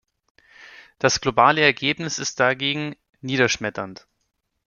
Das globale Ergebnis ist dagegen niederschmetternd.